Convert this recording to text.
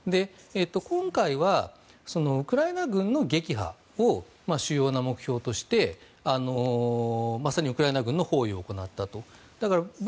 今回は、ウクライナ軍の撃破を主要な目標としてまさにウクライナ軍の包囲を行ったと。